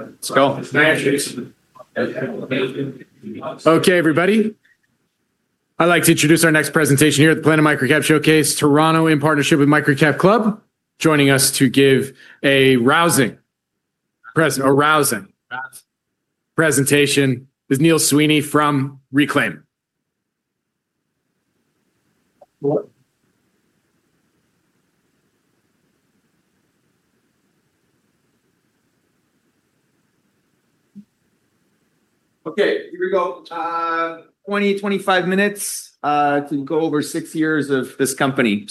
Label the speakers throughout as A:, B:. A: Okay, everybody. I'd like to introduce our next presentation here at the Planet Microcap Showcase, Toronto in partnership with Microcap Club. Joining us to give a rousing presentation is Neil Sweeney from Reklaim.
B: Okay, here we go. 20, 25 minutes to go over six years of this company.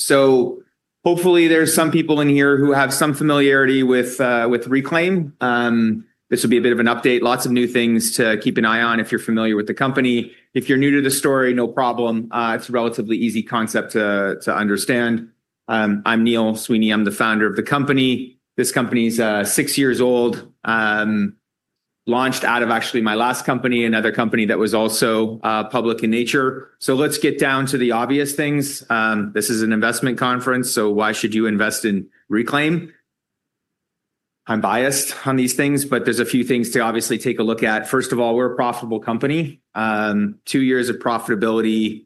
B: Hopefully there's some people in here who have some familiarity with Reklaim. This would be a bit of an update, lots of new things to keep an eye on if you're familiar with the company. If you're new to the story, no problem. It's a relatively easy concept to understand. I'm Neil Sweeney. I'm the founder of the company. This company is six years old, launched out of actually my last company, another company that was also public in nature. Let's get down to the obvious things. This is an investment conference, so why should you invest in Reklaim? I'm biased on these things, but there's a few things to obviously take a look at. First of all, we're a profitable company. Two years of profitability.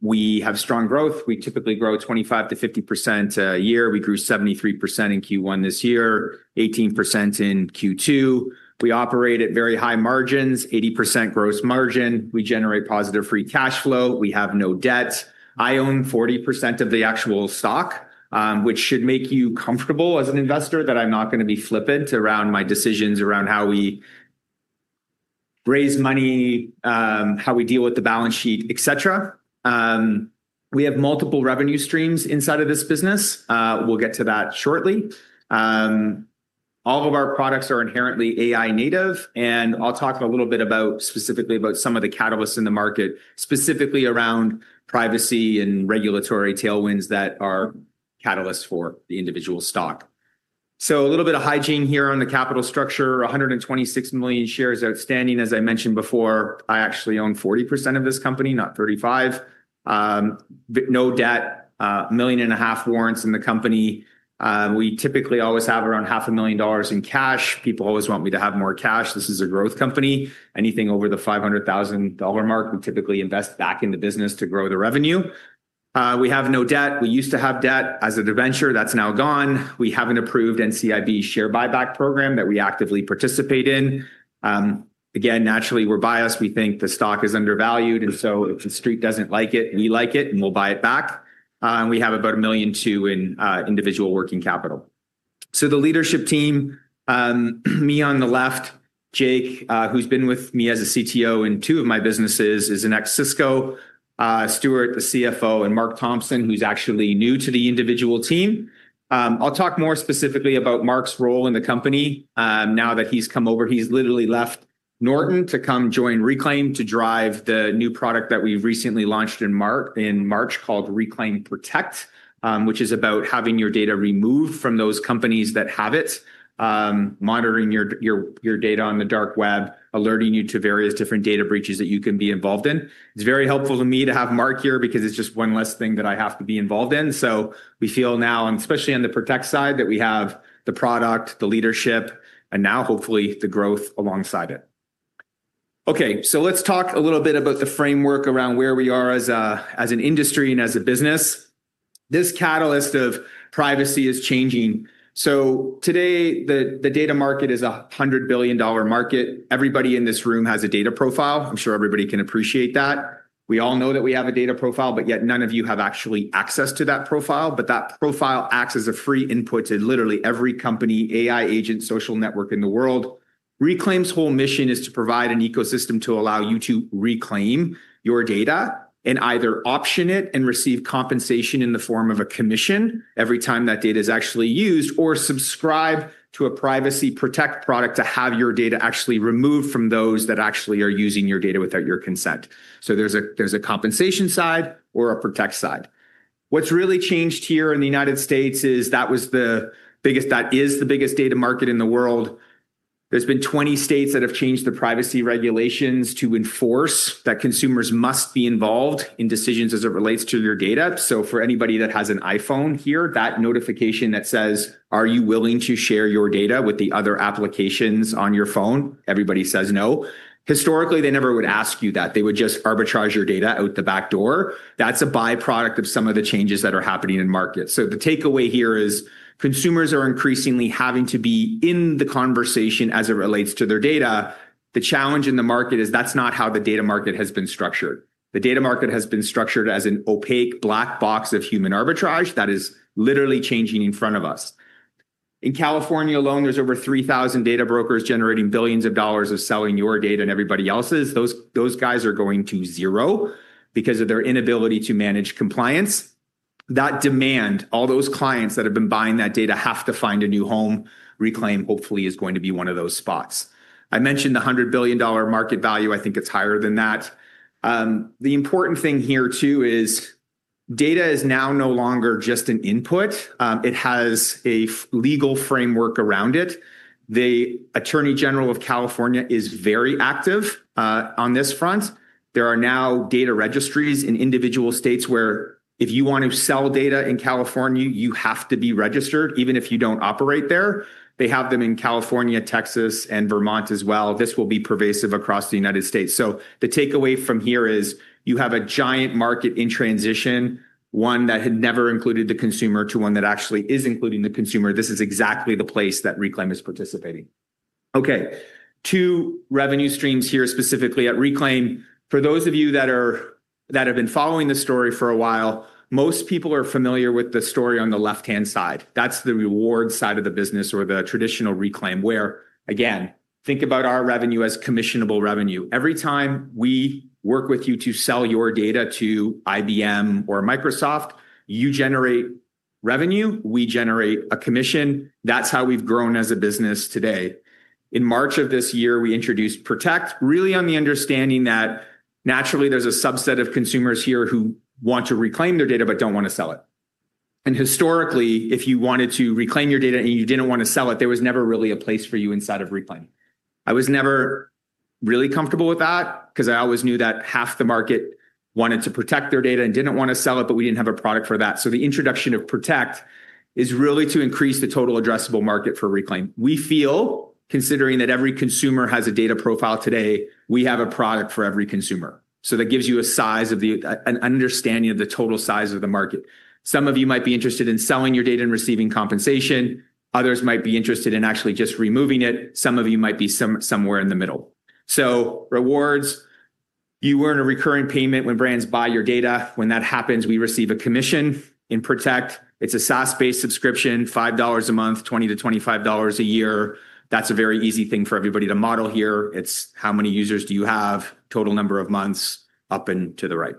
B: We have strong growth. We typically grow 25%-50% a year. We grew 73% in Q1 this year, 18% in Q2. We operate at very high margins, 80% gross margin. We generate positive free cash flow. We have no debt. I own 40% of the actual stock, which should make you comfortable as an investor that I'm not going to be flippant around my decisions around how we raise money, how we deal with the balance sheet, etc. We have multiple revenue streams inside of this business. We'll get to that shortly. All of our products are inherently AI-native, and I'll talk a little bit specifically about some of the catalysts in the market, specifically around privacy and regulatory tailwinds that are catalysts for the individual stock. A little bit of hygiene here on the capital structure: 126 million shares outstanding. As I mentioned before, I actually own 40% of this company, not 35%. No debt, $1.5 million warrants in the company. We typically always have around $500,000 in cash. People always want me to have more cash. This is a growth company. Anything over the $500,000 mark, we typically invest back into business to grow the revenue. We have no debt. We used to have debt as an adventure. That's now gone. We have an approved NCIB share buyback program that we actively participate in. Naturally we're biased. We think the stock is undervalued, and if the street doesn't like it, we like it and we'll buy it back. We have about $1.2 million in individual working capital. The leadership team, me on the left, Jake, who's been with me as a CTO in two of my businesses, is an ex-Cisco, Stuart, the CFO, and Mark Thompson, who's actually new to the individual team. I'll talk more specifically about Mark's role in the company. Now that he's come over, he's literally left NortonLifeLock to come join Reklaim to drive the new product that we recently launched in March called Reklaim Protect, which is about having your data removed from those companies that have it, monitoring your data on the dark web, alerting you to various different data breaches that you can be involved in. It's very helpful to me to have Mark here because it's just one less thing that I have to be involved in. We feel now, and especially on the Protect side, that we have the product, the leadership, and now hopefully the growth alongside it. Let's talk a little bit about the framework around where we are as an industry and as a business. This catalyst of privacy is changing. Today, the data market is a $100 billion market. Everybody in this room has a data profile. I'm sure everybody can appreciate that. We all know that we have a data profile, but yet none of you have actually access to that profile. That profile acts as a free input to literally every company, AI agent, social network in the world. Reklaim's whole mission is to provide an ecosystem to allow you to reclaim your data and either option it and receive compensation in the form of a commission every time that data is actually used, or subscribe to a privacy protect product to have your data actually removed from those that actually are using your data without your consent. There's a compensation side or a protect side. What's really changed here in the U.S. is that was the biggest, that is the biggest data market in the world. There have been 20 states that have changed the privacy regulations to enforce that consumers must be involved in decisions as it relates to your data. For anybody that has an iPhone here, that notification that says, are you willing to share your data with the other applications on your phone? Everybody says no. Historically, they never would ask you that. They would just arbitrage your data out the back door. That's a byproduct of some of the changes that are happening in markets. The takeaway here is consumers are increasingly having to be in the conversation as it relates to their data. The challenge in the market is that's not how the data market has been structured. The data market has been structured as an opaque black box of human arbitrage that is literally changing in front of us. In California alone, there's over 3,000 data brokers generating billions of dollars of selling your data and everybody else's. Those guys are going to zero because of their inability to manage compliance. That demand, all those clients that have been buying that data have to find a new home. Reklaim hopefully is going to be one of those spots. I mentioned the $100 billion market value. I think it's higher than that. The important thing here too is data is now no longer just an input. It has a legal framework around it. The Attorney General of California is very active on this front. There are now data registries in individual states where if you want to sell data in California, you have to be registered, even if you don't operate there. They have them in California, Texas, and Vermont as well. This will be pervasive across the U.S. The takeaway from here is you have a giant market in transition, one that had never included the consumer to one that actually is including the consumer. This is exactly the place that Reklaim is participating. Okay, two revenue streams here specifically at Reklaim. For those of you that have been following the story for a while, most people are familiar with the story on the left-hand side. That's the reward side of the business or the traditional Reklaim where, again, think about our revenue as commissionable revenue. Every time we work with you to sell your data to IBM or Microsoft, you generate revenue, we generate a commission. That's how we've grown as a business today. In March of this year, we introduced Protect, really on the understanding that naturally there's a subset of consumers here who want to reclaim their data but don't want to sell it. Historically, if you wanted to reclaim your data and you didn't want to sell it, there was never really a place for you inside of Reklaim. I was never really comfortable with that because I always knew that half the market wanted to protect their data and didn't want to sell it, but we didn't have a product for that. The introduction of Protect is really to increase the total addressable market for Reklaim. We feel, considering that every consumer has a data profile today, we have a product for every consumer. That gives you a size of the understanding of the total size of the market. Some of you might be interested in selling your data and receiving compensation. Others might be interested in actually just removing it. Some of you might be somewhere in the middle. Rewards. You earn a recurring payment when brands buy your data. When that happens, we receive a commission. In Protect, it's a SaaS-based subscription, $5 a month, $20-$25 a year. That's a very easy thing for everybody to model here. It's how many users do you have, total number of months, up and to the right.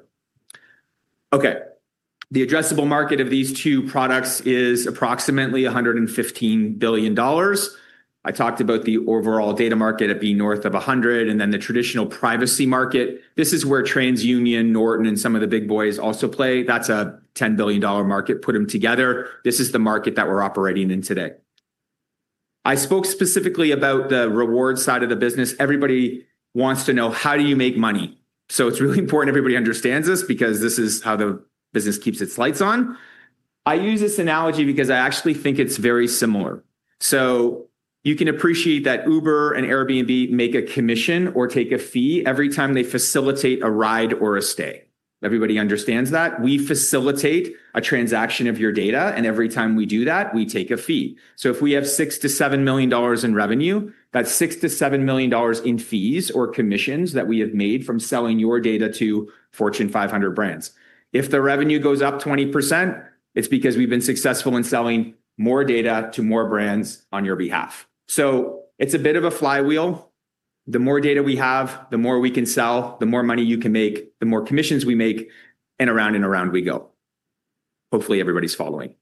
B: The addressable market of these two products is approximately $115 billion. I talked about the overall data market at being north of $100 billion and then the traditional privacy market. This is where TransUnion, NortonLifeLock, and some of the big boys also play. That's a $10 billion market, put them together. This is the market that we're operating in today. I spoke specifically about the reward side of the business. Everybody wants to know how do you make money? It's really important everybody understands this because this is how the business keeps its lights on. I use this analogy because I actually think it's very similar. You can appreciate that Uber and Airbnb make a commission or take a fee every time they facilitate a ride or a stay. Everybody understands that. We facilitate a transaction of your data, and every time we do that, we take a fee. If we have $6-$7 million in revenue, that's $6-$7 million in fees or commissions that we have made from selling your data to Fortune 500 brands. If the revenue goes up 20%, it's because we've been successful in selling more data to more brands on your behalf. It's a bit of a flywheel. The more data we have, the more we can sell, the more money you can make, the more commissions we make, and around and around we go. Hopefully everybody's following.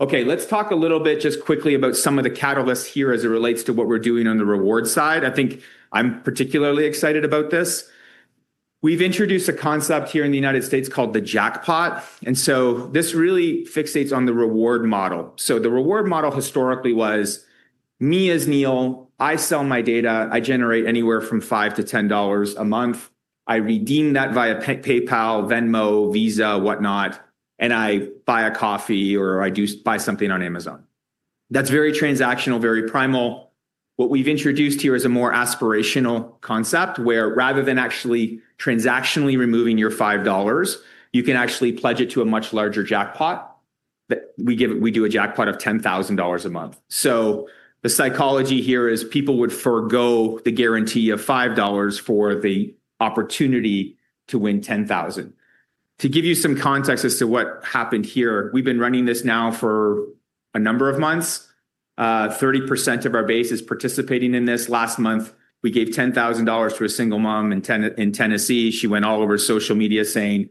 B: Let's talk a little bit just quickly about some of the catalysts here as it relates to what we're doing on the reward side. I think I'm particularly excited about this. We've introduced a concept here in the U.S. called the Jackpot. This really fixates on the reward model. The reward model historically was, me as Neil, I sell my data, I generate anywhere from $5-$10 a month. I redeem that via PayPal, Venmo, Visa, whatnot, and I buy a coffee or I do buy something on Amazon. That's very transactional, very primal. What we've introduced here is a more aspirational concept where, rather than actually transactionally removing your $5, you can actually pledge it to a much larger jackpot. We give it, we do a jackpot of $10,000 a month. The psychology here is people would forego the guarantee of $5 for the opportunity to win $10,000. To give you some context as to what happened here, we've been running this now for a number of months. 30% of our base is participating in this. Last month, we gave $10,000 to a single mom in Tennessee. She went all over social media saying,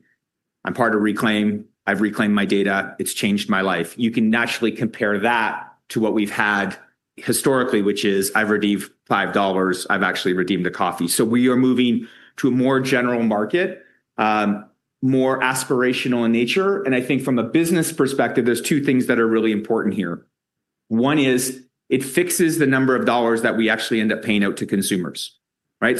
B: I'm part of Reklaim. I've reclaimed my data. It's changed my life. You can naturally compare that to what we've had historically, which is I've redeemed $5. I've actually redeemed a coffee. We are moving to a more general market, more aspirational in nature. I think from a business perspective, there are two things that are really important here. One is it fixes the number of dollars that we actually end up paying out to consumers. Right?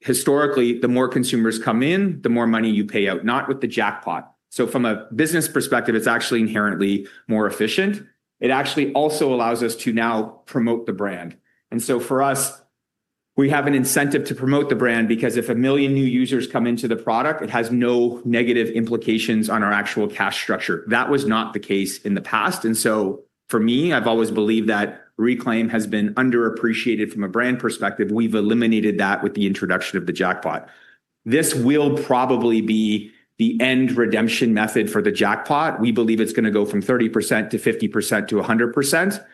B: Historically, the more consumers come in, the more money you pay out, not with the Jackpot. From a business perspective, it's actually inherently more efficient. It actually also allows us to now promote the brand. For us, we have an incentive to promote the brand because if 1 million new users come into the product, it has no negative implications on our actual cash structure. That was not the case in the past. For me, I've always believed that Reklaim has been underappreciated from a brand perspective. We've eliminated that with the introduction of the Jackpot. This will probably be the end redemption method for the Jackpot. We believe it's going to go from 30% to 50% to 100%.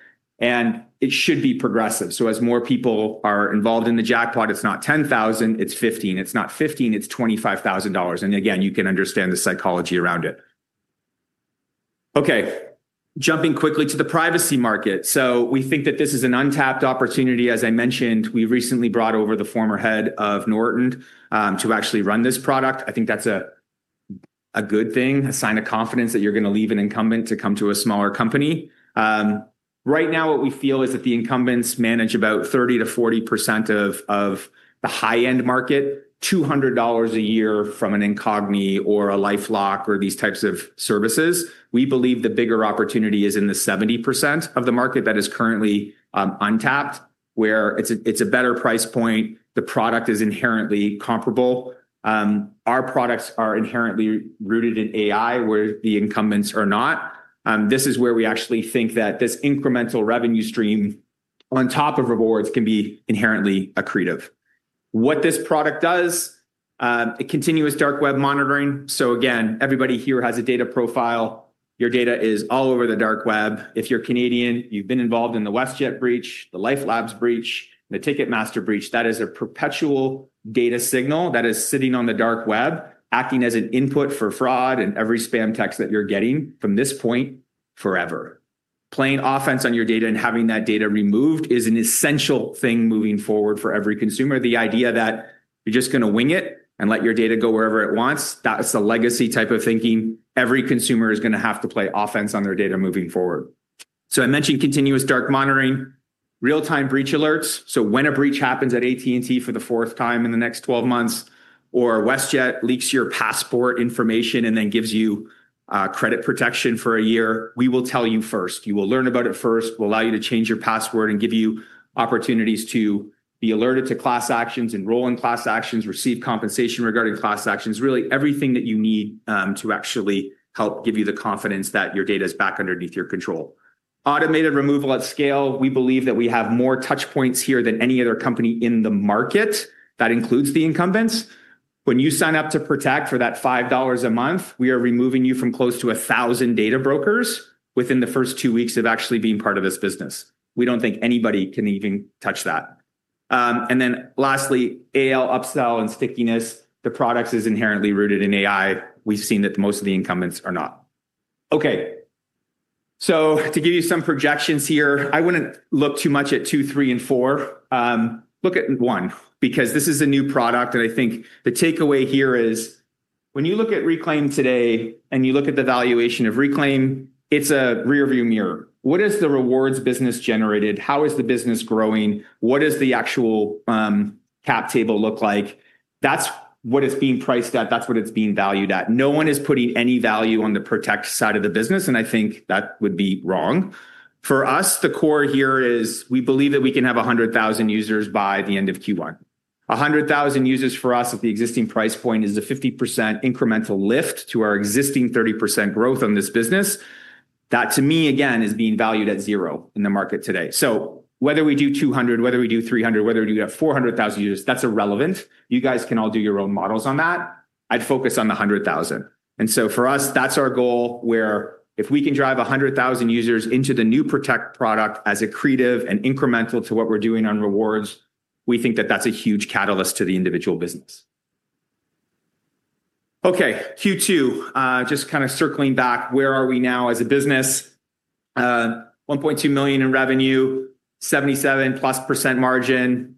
B: It should be progressive. As more people are involved in the jackpot, it's not $10,000. It's $15,000. It's not $15,000. It's $25,000. You can understand the psychology around it. Jumping quickly to the privacy market, we think that this is an untapped opportunity. As I mentioned, we recently brought over the former head of NortonLifeLock to actually run this product. I think that's a good thing, a sign of confidence that you're going to leave an incumbent to come to a smaller company. Right now what we feel is that the incumbents manage about 30% or 40% of the high-end market, $200 a year from an Incogni or a LifeLock or these types of services. We believe the bigger opportunity is in the 70% of the market that is currently untapped, where it's a better price point. The product is inherently comparable. Our products are inherently rooted in AI, where the incumbents are not. This is where we actually think that this incremental revenue stream on top of rewards can be inherently accretive. What this product does, it continues dark web monitoring. Again, everybody here has a data profile. Your data is all over the dark web. If you're Canadian, you've been involved in the WestJet breach, the LifeLabs breach, and the Ticketmaster breach. That is a perpetual data signal that is sitting on the dark web, acting as an input for fraud and every spam text that you're getting from this point forever. Playing offense on your data and having that data removed is an essential thing moving forward for every consumer. The idea that you're just going to wing it and let your data go wherever it wants, that's the legacy type of thinking. Every consumer is going to have to play offense on their data moving forward. I mentioned continuous dark web monitoring, real-time breach alerts. When a breach happens at AT&T for the fourth time in the next 12 months, or WestJet leaks your passport information and then gives you credit protection for a year, we will tell you first. You will learn about it first. We'll allow you to change your password and give you opportunities to be alerted to class actions, enroll in class actions, receive compensation regarding class actions, really everything that you need to actually help give you the confidence that your data is back underneath your control. Automated removal at scale. We believe that we have more touchpoints here than any other company in the market. That includes the incumbents. When you sign up to Protect for that $5 a month, we are removing you from close to 1,000 data brokers within the first two weeks of actually being part of this business. We don't think anybody can even touch that. Lastly, AI upsell and stickiness. The product is inherently rooted in AI. We've seen that most of the incumbents are not. To give you some projections here, I wouldn't look too much at two, three, and four. Look at one because this is a new product. I think the takeaway here is when you look at Reklaim today and you look at the valuation of Reklaim, it's a rearview mirror. What has the rewards business generated? How is the business growing? What does the actual cap table look like? That's what it's being priced at. That's what it's being valued at. No one is putting any value on the Protect side of the business, and I think that would be wrong. For us, the core here is we believe that we can have 100,000 users by the end of Q1. 100,000 users for us at the existing price point is a 50% incremental lift to our existing 30% growth on this business. That to me, again, is being valued at zero in the market today. Whether we do 200,000 whether we do 300,000 whether we do 400,000 users, that's irrelevant. You guys can all do your own models on that. I'd focus on the 100,000. For us, that's our goal where if we can drive 100,000 users into the new Protect product as accretive and incremental to what we're doing on rewards, we think that that's a huge catalyst to the individual business. Okay, Q2. Just kind of circling back. Where are we now as a business? $1.2 million in revenue, 77%+ margin,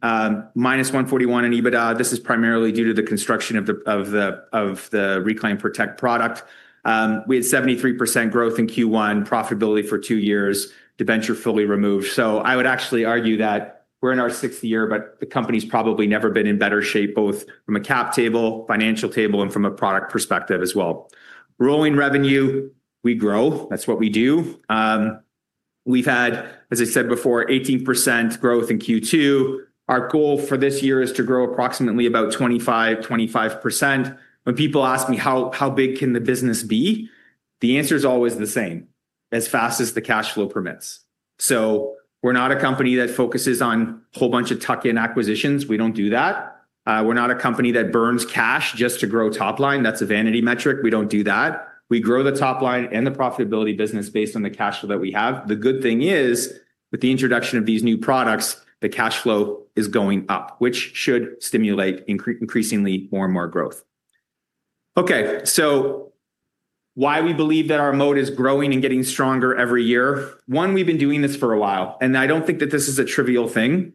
B: minus $141,000 in EBITDA. This is primarily due to the construction of the Reklaim Protect product. We had 73% growth in Q1, profitability for two years, debenture fully removed. I would actually argue that we're in our sixth year, but the company's probably never been in better shape, both from a cap table, financial table, and from a product perspective as well. Growing revenue, we grow. That's what we do. We've had, as I said before, 18% growth in Q2. Our goal for this year is to grow approximately about 25%, 25%. When people ask me how big can the business be, the answer is always the same, as fast as the cash flow permits. We're not a company that focuses on a whole bunch of tuck-in acquisitions. We don't do that. We're not a company that burns cash just to grow top line. That's a vanity metric. We don't do that. We grow the top line and the profitability business based on the cash flow that we have. The good thing is, with the introduction of these new products, the cash flow is going up, which should stimulate increasingly more and more growth. Okay, why we believe that our moat is growing and getting stronger every year. One, we've been doing this for a while, and I don't think that this is a trivial thing.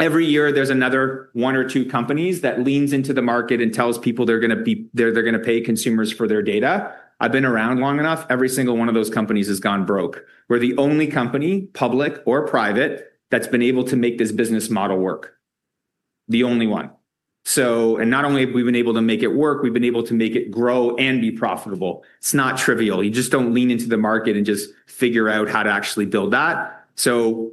B: Every year, there's another one or two companies that leans into the market and tells people they're going to pay consumers for their data. I've been around long enough. Every single one of those companies has gone broke. We're the only company, public or private, that's been able to make this business model work. The only one. Not only have we been able to make it work, we've been able to make it grow and be profitable. It's not trivial. You just don't lean into the market and figure out how to actually build that.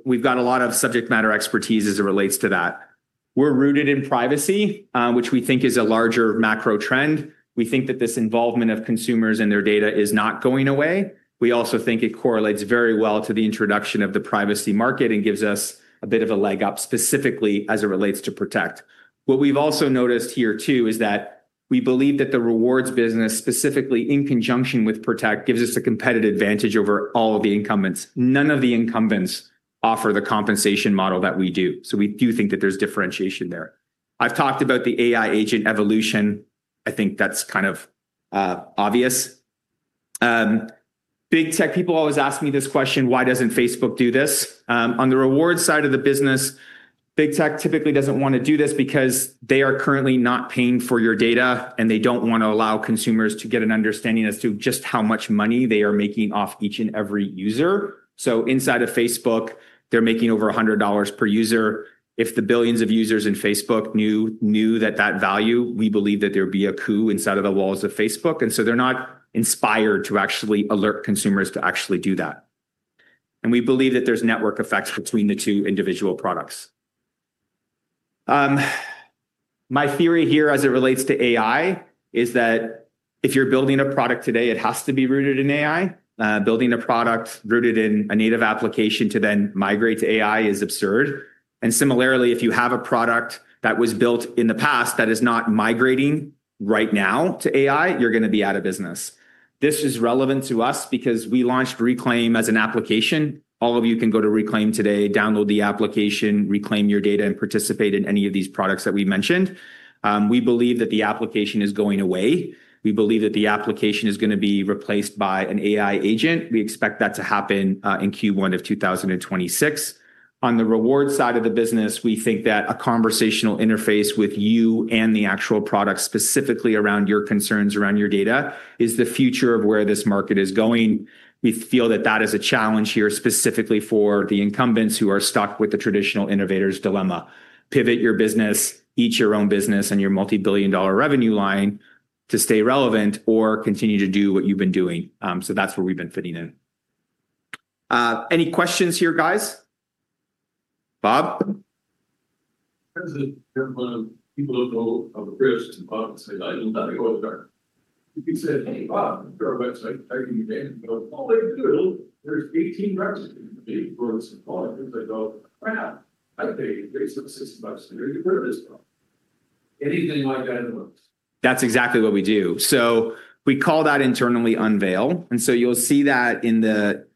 B: We've got a lot of subject matter expertise as it relates to that. We're rooted in privacy, which we think is a larger macro trend. We think that this involvement of consumers and their data is not going away. We also think it correlates very well to the introduction of the privacy market and gives us a bit of a leg up specifically as it relates to Protect. What we've also noticed here too is that we believe that the rewards business, specifically in conjunction with Protect, gives us a competitive advantage over all of the incumbents. None of the incumbents offer the compensation model that we do. We do think that there's differentiation there. I've talked about the AI agent evolution. I think that's kind of obvious. Big tech people always ask me this question. Why doesn't Facebook do this? On the rewards side of the business, big tech typically doesn't want to do this because they are currently not paying for your data, and they don't want to allow consumers to get an understanding as to just how much money they are making off each and every user. Inside of Facebook, they're making over $100 per user. If the billions of users in Facebook knew that value, we believe that there'd be a coup inside of the walls of Facebook. They're not inspired to actually alert consumers to actually do that. We believe that there's network effects between the two individual products. My theory here as it relates to AI is that if you're building a product today, it has to be rooted in AI. Building a product rooted in a native application to then migrate to AI is absurd. Similarly, if you have a product that was built in the past that is not migrating right now to AI, you're going to be out of business. This is relevant to us because we launched Reklaim as an application. All of you can go to Reklaim today, download the application, reclaim your data, and participate in any of these products that we mentioned. We believe that the application is going away. We believe that the application is going to be replaced by an AI agent. We expect that to happen in Q1 of 2026. On the reward side of the business, we think that a conversational interface with you and the actual product, specifically around your concerns around your data, is the future of where this market is going. We feel that that is a challenge here specifically for the incumbents who are stuck with the traditional innovator's dilemma: pivot your business, eat your own business, and your multi-billion dollar revenue line to stay relevant, or continue to do what you've been doing. That's where we've been fitting in. Any questions here, guys? Bob?
C: [There's a certain amount of people who go off a bridge to the bottom and say, "I don't got to go to the dark." If you said, "Hey Bob, look at our website," I'd give you a dang and go, "Oh, they do. There's 18 records for this one." I go, "Crap, I pay $360 a year to grow this one." Anything like that in the works.]
B: That's exactly what we do. We call that internally unveil, and you'll see that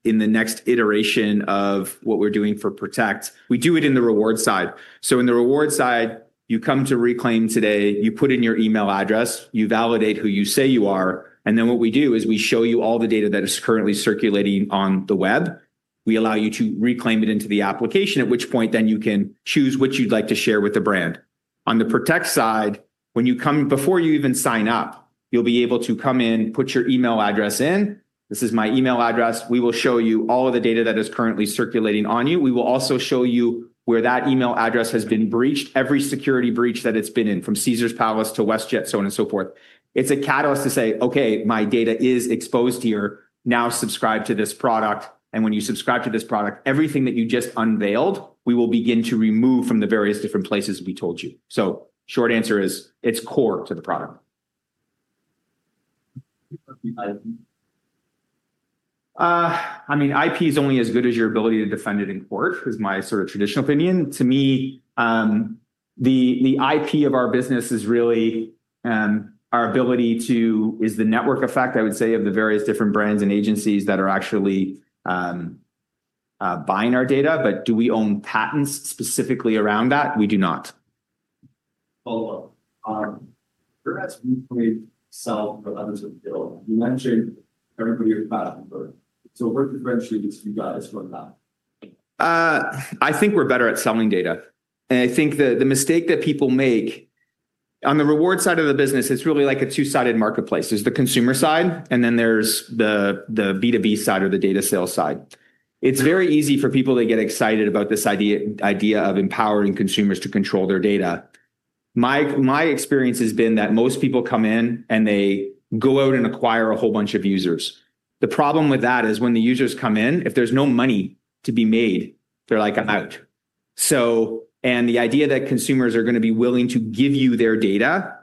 B: in the next iteration of what we're doing for Protect. We do it in the reward side. In the reward side, you come to Reklaim today, you put in your email address, you validate who you say you are, and then what we do is we show you all the data that is currently circulating on the web. We allow you to reclaim it into the application, at which point you can choose what you'd like to share with the brand. On the Protect side, when you come before you even sign up, you'll be able to come in, put your email address in. This is my email address. We will show you all of the data that is currently circulating on you. We will also show you where that email address has been breached, every security breach that it's been in, from Caesars Palace to WestJet, so on and so forth. It's a catalyst to say, "Okay, my data is exposed here. Now subscribe to this product." When you subscribe to this product, everything that you just unveiled, we will begin to remove from the various different places we told you. Short answer is it's core to the product. IP is only as good as your ability to defend it in court is my sort of traditional opinion. To me, the IP of our business is really the network effect, I would say, of the various different brands and agencies that are actually buying our data. Do we own patents specifically around that? We do not.
C: [Follow up. You're asking me to sell for others to build. You mentioned everybody is passionate about it. What differentiates you guys from that?]
B: I think we're better at selling data. I think the mistake that people make on the reward side of the business, it's really like a two-sided marketplace. There's the consumer side, and then there's the B2B side or the data sales side. It's very easy for people to get excited about this idea of empowering consumers to control their data. My experience has been that most people come in and they go out and acquire a whole bunch of users. The problem with that is when the users come in, if there's no money to be made, they're like, "I'm out." The idea that consumers are going to be willing to give you their data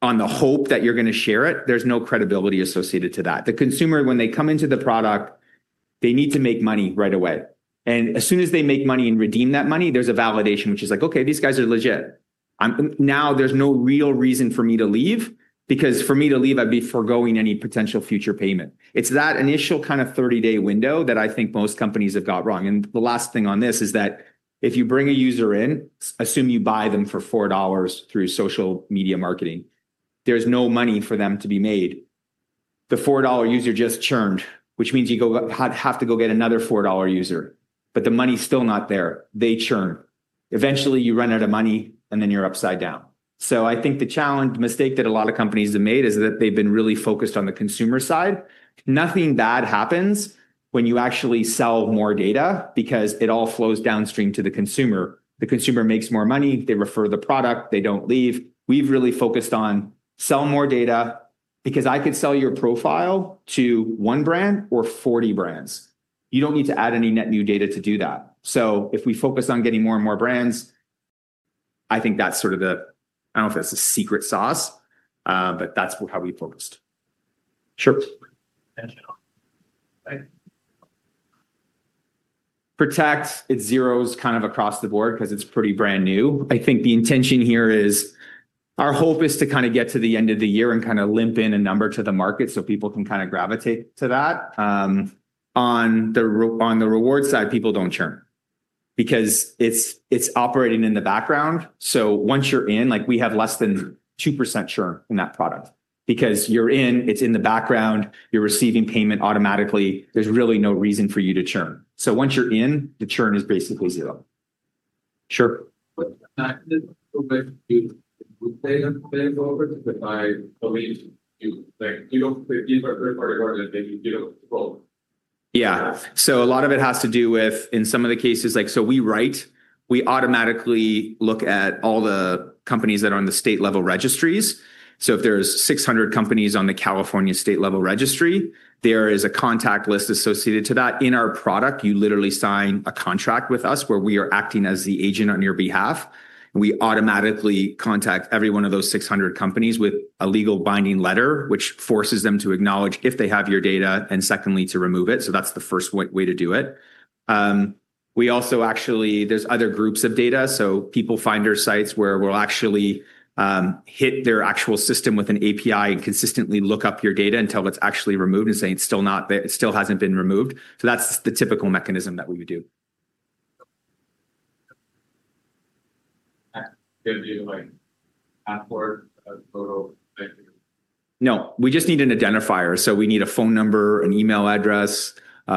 B: on the hope that you're going to share it, there's no credibility associated to that. The consumer, when they come into the product, they need to make money right away. As soon as they make money and redeem that money, there's a validation which is like, "Okay, these guys are legit." Now there's no real reason for me to leave because for me to leave, I'd be foregoing any potential future payment. It's that initial kind of 30-day window that I think most companies have got wrong. The last thing on this is that if you bring a user in, assume you buy them for $4 through social media marketing, there's no money for them to be made. The $4 user just churned, which means you have to go get another $4 user, but the money's still not there. They churn. Eventually, you run out of money and then you're upside down. I think the challenge, the mistake that a lot of companies have made is that they've been really focused on the consumer side. Nothing bad happens when you actually sell more data because it all flows downstream to the consumer. The consumer makes more money, they refer the product, they don't leave. We've really focused on sell more data because I could sell your profile to one brand or 40 brands. You don't need to add any net new data to do that. If we focus on getting more and more brands, I think that's sort of the, I don't know if that's a secret sauce, but that's how we focused.
C: [Sure.]
B: Protect, it's zeros across the board because it's pretty brand new. I think the intention here is our hope is to get to the end of the year and limp in a number to the market so people can gravitate to that. On the reward side, people don't churn because it's operating in the background. Once you're in, we have less than 2% churn in that product because you're in, it's in the background, you're receiving payment automatically, there's really no reason for you to churn. Once you're in, the churn is basically zero.
C: [Sure. Do you know if they use our third-party partners?]
B: Yeah, so a lot of it has to do with, in some of the cases, like, we automatically look at all the companies that are on the state-level registries. If there's 600 companies on the California state-level registry, there is a contact list associated to that. In our product, you literally sign a contract with us where we are acting as the agent on your behalf. We automatically contact every one of those 600 companies with a legal binding letter, which forces them to acknowledge if they have your data and, secondly, to remove it. That's the first way to do it. We also actually, there's other groups of data. People find our sites where we'll actually hit their actual system with an API and consistently look up your data until it's actually removed and say it's still not there. It still hasn't been removed. That's the typical mechanism that we would do.
C: [Do you have to do like passport photo?]
B: No, we just need an identifier. We need a phone number, an email address, or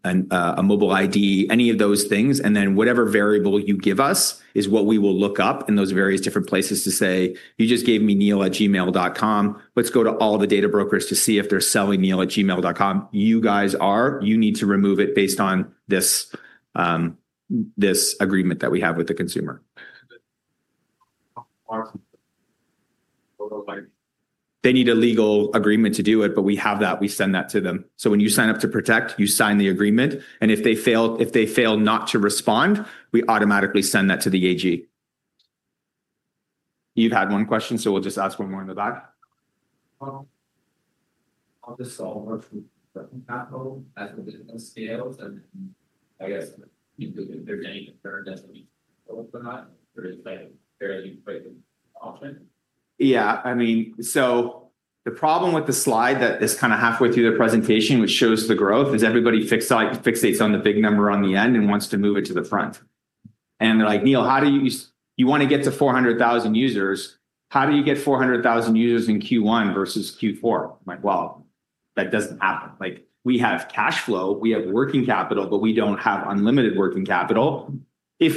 B: a mobile ID, any of those things. Whatever variable you give us is what we will look up in those various different places to say, you just gave me neil@gmail.com. Let's go to all the data brokers to see if they're selling neil@gmail.com. You guys are, you need to remove it based on this agreement that we have with the consumer. They need a legal agreement to do it, but we have that. We send that to them. When you sign up to Protect, you sign the agreement. If they fail not to respond, we automatically send that to the AG. You've had one question, so we'll just ask one more in the back.
D: I'll just solve a question. As the business scales and I guess if there's any concern that we can't fill it or not, there is a fairly frequent option.
B: Yeah, I mean, the problem with the slide that is kind of halfway through the presentation, which shows the growth, is everybody fixates on the big number on the end and wants to move it to the front. They're like, Neil, how do you, you want to get to 400,000 users? How do you get 400,000 users in Q1 versus Q4? I'm like, that doesn't happen. We have cash flow, we have working capital, but we don't have unlimited working capital. If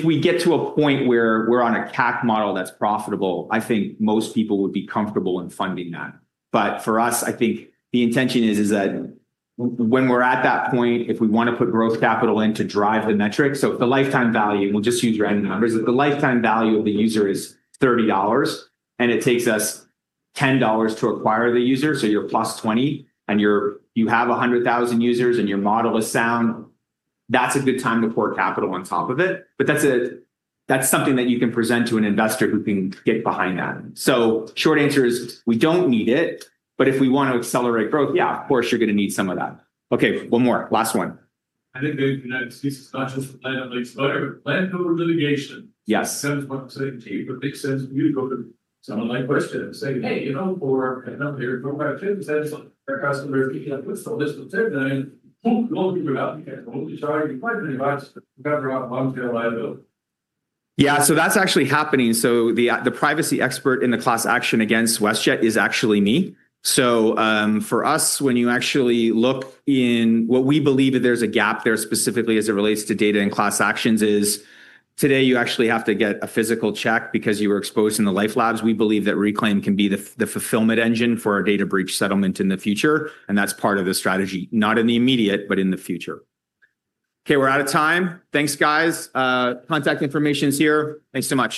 B: we get to a point where we're on a CAC model that's profitable, I think most people would be comfortable in funding that. For us, I think the intention is that when we're at that point, if we want to put growth capital in to drive the metrics, so if the lifetime value, and we'll just use random numbers, if the lifetime value of the user is $30 and it takes us $10 to acquire the user, so you're plus $20 and you have 100,000 users and your model is sound, that's a good time to pour capital on top of it. That's something that you can present to an investor who can get behind that. Short answer is we don't need it, but if we want to accelerate growth, yeah, of course you're going to need some of that. Okay, one more, last one.
D: [I think maybe we can have excuses not just for planning to lease, but planning to go to litigation.]
B: Yes.
D: [That is one certainty, but it makes sense for you to go to someone like WestJet and say, "Hey, you know, for, I don't know, here's 4% or 5% or 10% of our customers picking up books on this particular thing," and boom, you're out. You can't normally charge you quite many bucks for covering up long-term liability.]
B: Yeah, so that's actually happening. The privacy expert in the class action against WestJet is actually me. For us, when you actually look in what we believe that there's a gap there specifically as it relates to data and class actions, today you actually have to get a physical check because you were exposed in the LifeLabs. We believe that Reklaim can be the fulfillment engine for our data breach settlement in the future. That's part of the strategy, not in the immediate, but in the future. Okay, we're out of time. Thanks, guys. Contact information is here. Thanks so much.